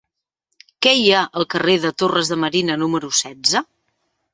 Què hi ha al carrer de Torres de Marina número setze?